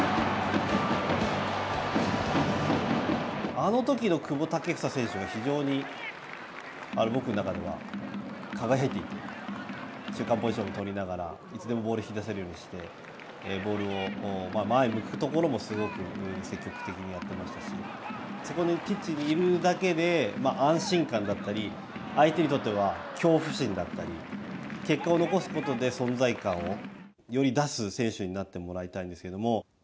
あのときの久保建英選手が非常に僕の中では輝いていて中間ポジションを取りながらいつでもボールを引き出せるようにしてボールを前向くところもすごく積極的にやってましたしそこにピッチにいるだけで、安心感だったり、相手にとっては恐怖心だったり結果を残すことで存在感をより出す選手になってもらいたいんですけども。